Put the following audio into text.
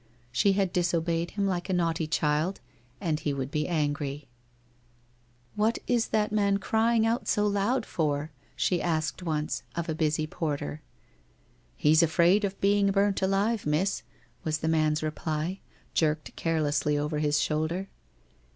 She had disobeyed him like a naughty child, and he would be angry. ...' What is that man crying out so loud for ?' she asked once, of a busy porter. ' He's afraid of being burnt alive, Miss,' was the man's reply, jerked carelessly over his shoulder.